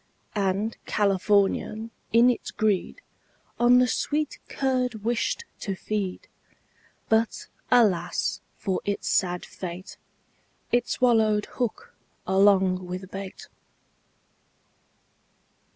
And Californian in its greed, On the sweet curd wished to feed; But, alas, for it's sad fate, It swallowed hook along with bait.